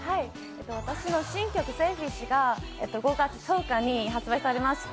私の新曲「Ｓｅｌｆｉｓｈ」が５月１０日に発売されました。